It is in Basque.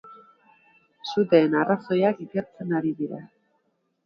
Suteen arrazoiak ikertzen ari dira.